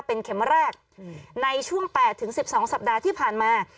เป็นเข็มแรกในช่วง๘๑๒สัปดาห์ที่ผ่านมา